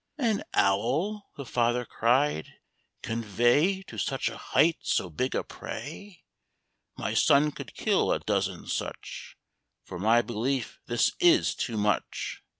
"An owl," the father cried, "convey To such a height so big a prey! My son could kill a dozen such; For my belief this is too much!"